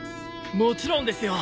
もちろんですよ！